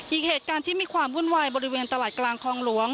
อีกเหตุการณ์ที่มีความวุ่นวายบริเวณตลาดกลางคลองหลวง